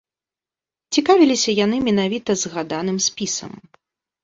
Цікавіліся яны менавіта згаданым спісам.